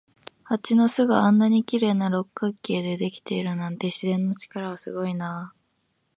蜂の巣があんなに綺麗な六角形でできているなんて、自然の力はすごいなあ。